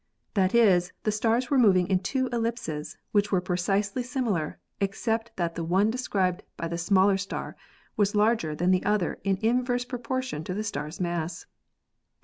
That is, the stars were moving in two ellipses which were precisely similar, except that the one described by the smaller star was larger than the other in inverse proportion to the star's mass.